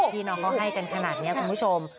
พี่น้องเขาให้กันขนาดนี้คุณผู้ชม